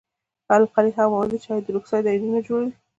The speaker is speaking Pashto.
القلي هغه مواد دي چې هایدروکساید آیونونه جوړوي.